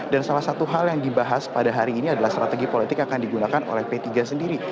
dan salah satu hal yang dibahas pada hari ini adalah strategi politik yang akan digunakan oleh p tiga sendiri